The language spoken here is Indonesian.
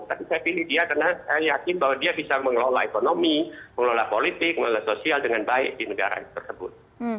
tapi saya pilih dia karena saya yakin bahwa dia bisa mengelola ekonomi mengelola politik mengelola sosial dengan baik di negara tersebut